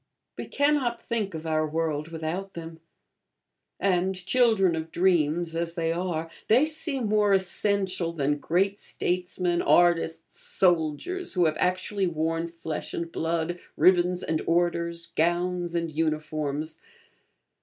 We cannot think of our world without them; and, children of dreams as they are, they seem more essential than great statesmen, artists, soldiers, who have actually worn flesh and blood, ribbons and orders, gowns and uniforms.